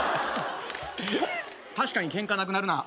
確かにケンカなくなるな。